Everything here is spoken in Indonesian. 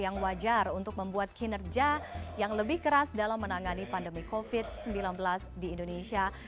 yang wajar untuk membuat kinerja yang lebih keras dalam menangani pandemi covid sembilan belas di indonesia